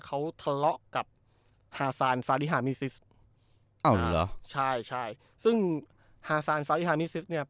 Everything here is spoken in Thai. เขาทะเลาะกับอ๋อเหรอใช่ใช่ซึ่งเนี่ย